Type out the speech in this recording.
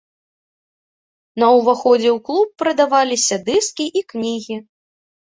На ўваходзе ў клуб прадаваліся дыскі і кнігі.